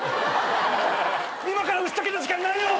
今から打ち解ける時間ないよ！